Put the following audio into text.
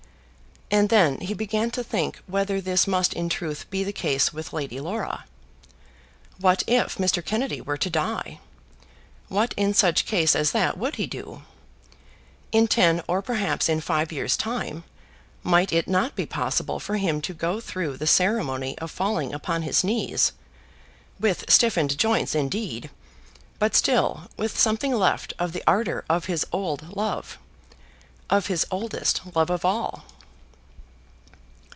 And then he began to think whether this must in truth be the case with Lady Laura. What if Mr. Kennedy were to die? What in such case as that would he do? In ten or perhaps in five years time might it not be possible for him to go through the ceremony of falling upon his knees, with stiffened joints indeed, but still with something left of the ardour of his old love, of his oldest love of all?